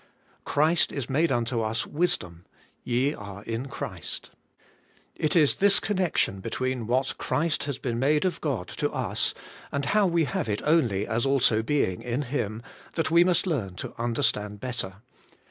Christ is made unto us wisdom; ye are in Christ. It is this connection between what Christ has been made of God to us, and how we have it only as also being in Him, that we must learn to understand better.